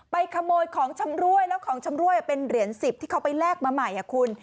ขโมยของชำรวยแล้วของชำรวยเป็นเหรียญ๑๐ที่เขาไปแลกมาใหม่คุณ